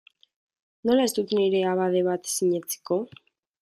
Nola ez dut nire abade bat sinetsiko?